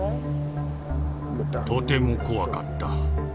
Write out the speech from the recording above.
とても怖かった。